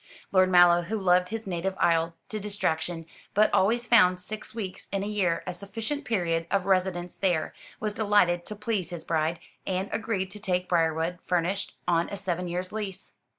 Lord Mallow, who loved his native isle to distraction, but always found six weeks in a year a sufficient period of residence there, was delighted to please his bride, and agreed to take Briarwood, furnished, on a seven years' lease.